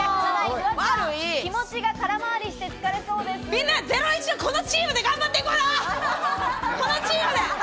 みんな、『ゼロイチ』このチームで頑張っていこうよ！